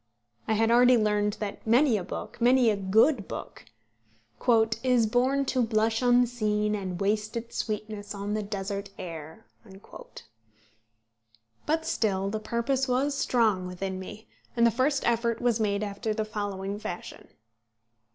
I had already learned that many a book many a good book "is born to blush unseen And waste its sweetness on the desert air." But still the purpose was strong within me, and the first effort was made after the following fashion.